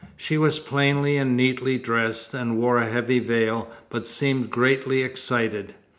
She was plainly and neatly dressed, and wore a heavy veil, but seemed greatly excited.